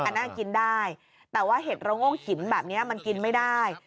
น่ากินได้แต่ว่าเห็ดระโงกหินแบบนี้มันกินไม่ได้